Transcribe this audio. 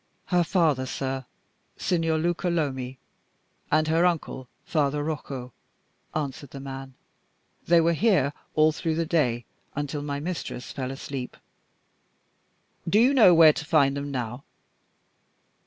"Her father, sir, Signor Luca Lomi; and her uncle, Father Rocco," answered the man. "They were here all through the day, until my mistress fell asleep." "Do you know where to find them now?"